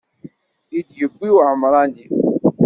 I d-yewwi uɛemṛani.